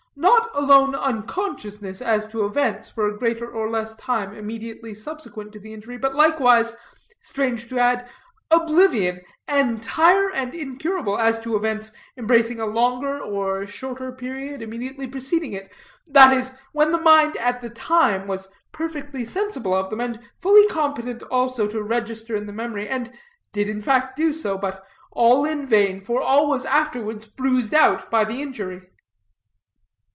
Not alone unconsciousness as to events for a greater or less time immediately subsequent to the injury, but likewise strange to add oblivion, entire and incurable, as to events embracing a longer or shorter period immediately preceding it; that is, when the mind at the time was perfectly sensible of them, and fully competent also to register them in the memory, and did in fact so do; but all in vain, for all was afterwards bruised out by the injury."